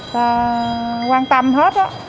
ta quan tâm hết đó